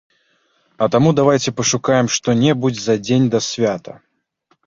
А таму давайце пашукаем што-небудзь за дзень да свята.